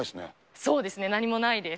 そうですね、何もないです。